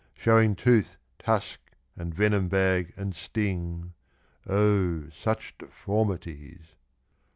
Showing tooth, tusk, and venom bag, and sting! O such deformities!